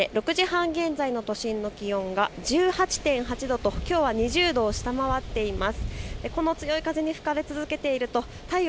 さて６時半現在の都心の気温が１８．８度ときょうは２０度を下回っています。